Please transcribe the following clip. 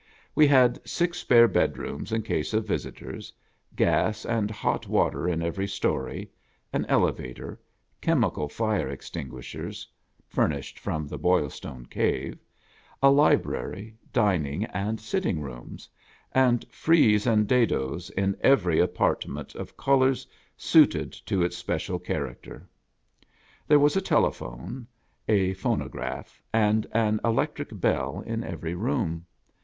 We had six spare bedrooms in case of visitors ; gas and hot water on every story ; an elevator ; chemical fire extinguishers (furnished from the Boilstone Cave) ; a library, dining and sitting rooms ; and frieze and dadoes in every apartment, of colors suited to its special character. There was a telephone, a phono graph, and an electric bell in every room.